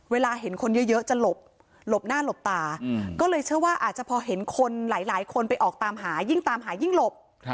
เวลาเห็นคนเยอะจะหลบหลบหน้าหลบตาก็เลยเชื่อว่าอาจจะพอเห็นคนหลายคนไปออกตามหายิ่งตามหายิ่งหลบ